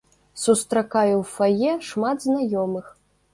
Сустракаю ў фае шмат знаёмых.